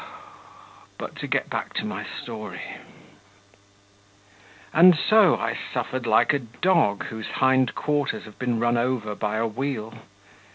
But to get back to my story. And so, I suffered like a dog, whose hindquarters have been run over by a wheel.